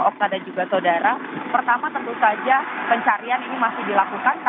opka dan juga saudara pertama tentu saja pencarian ini masih dilakukan